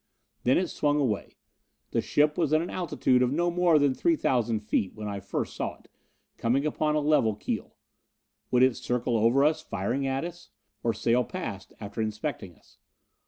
Then it swung away. The ship was at an altitude of no more than three thousand feet when I first saw it, coming upon a level keel. Would it circle over us, firing at us? Or sail past, after inspecting us?